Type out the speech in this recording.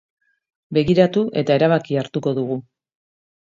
Begiratu eta erabakia hartuko dugu.